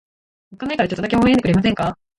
おっかないからちょっとだけ微笑んでくれませんか。